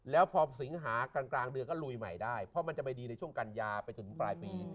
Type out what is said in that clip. แล้วพอสิงหากลางเดือนก็ลุยใหม่ได้เพราะมันจะไปดีในช่วงกัญญาไปจนถึงปลายปี